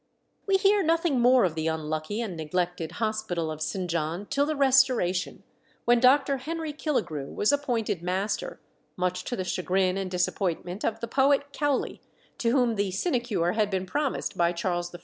We hear nothing more of the unlucky and neglected Hospital of St. John till the Restoration, when Dr. Henry Killigrew was appointed master, much to the chagrin and disappointment of the poet Cowley, to whom the sinecure had been promised by Charles I.